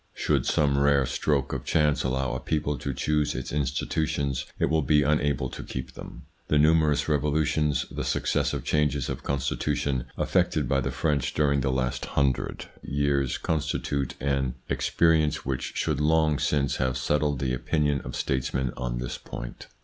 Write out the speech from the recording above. Should some rare stroke of chance allow a people to choose its institutions, it will be unable to keep them. The numerous revolu tions, the successive changes of constitution, affected by the French during the last hundred years con ITS INFLUENCE ON THEIR EVOLUTION 91 stitute an experience which should long since have settled the opinion of statesmen on this point.